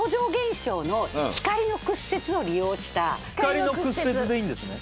光の屈折でいいんですね？